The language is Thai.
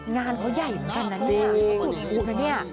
งานเขาใหญ่เหมือนกันนะเนี่ยเขาจุดพลุนะเนี่ย